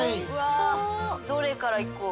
どれからいこう。